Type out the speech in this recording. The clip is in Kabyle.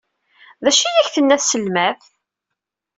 D acu ay ak-tenna tselmadt?